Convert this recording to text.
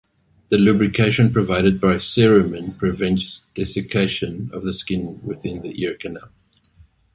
The lubrication provided by cerumen prevents desiccation of the skin within the ear canal.